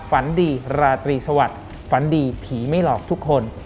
ฝันดีราตรีสวัสดิ์ฝันดีผีไม่หลอกทุกคน